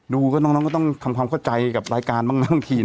ดูก็น้องน้องต้องทำความเข้าใจกับรายการบ้างนักที่น่ะ